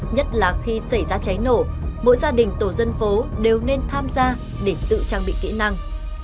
nhất là khi xảy ra cháy nổ mỗi gia đình tổ dân phố đều nên tham gia để tự trang bị kỹ năng